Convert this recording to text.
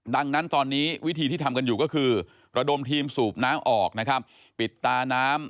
ดังนั้นตอนนี้วิธีที่ทำกันอยู่ก็คือระดมทีมสูบน้ำออกนะครับปิดตาน้ำ